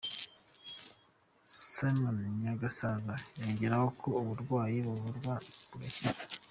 Simon Nyagasaza yongeraho ko uburwayi buvurwa bugakira.